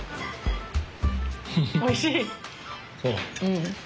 おいしい。